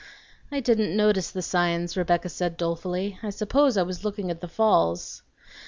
"I didn't notice the signs," Rebecca said dolefully. "I suppose I was looking at the falls."